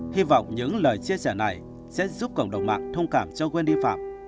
hy vọng những lời chia sẻ này sẽ giúp cộng đồng mạng thông cảm cho wendy phạm